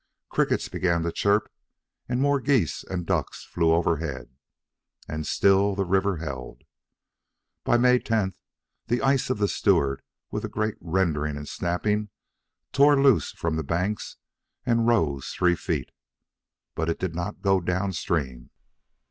Crickets began to chirp, and more geese and ducks flew overhead. And still the river held. By May tenth, the ice of the Stewart, with a great rending and snapping, tore loose from the banks and rose three feet. But it did not go down stream.